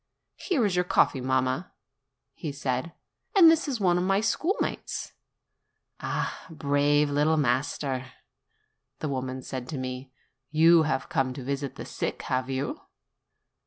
"Here is your coffee, mamma," said he; "and this is one of my schoolmates." "Ah, brave little master!" said the woman to me; "you have come to visit the sick, have you?"